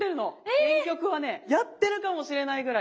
⁉原曲はねやってるかもしれないぐらい